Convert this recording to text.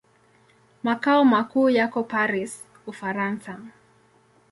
Makao makuu yako Paris, Ufaransa.